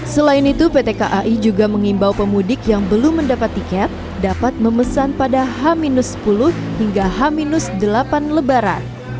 selain itu pt kai juga mengimbau pemudik yang belum mendapat tiket dapat memesan pada h sepuluh hingga h delapan lebaran